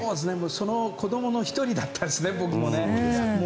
その子供の１人だったですね、僕も。